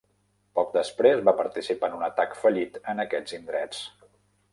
Poc després, va participar en un atac fallit en aquests indrets.